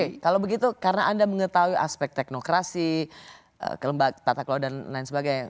oke kalau begitu karena anda mengetahui aspek teknokrasi tata kelola dan lain sebagainya